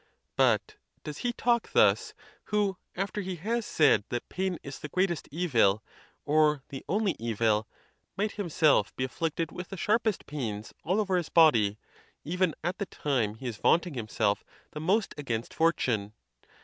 But does he talk thus, who, after he has said that 'pain is the greatest evil, or the only evil, might himself be afflicted with the sharpest pains all over his body, even at the time he is vaunting himself the most against fort une?